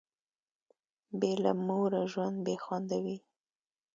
بي له موره ژوند بي خونده وي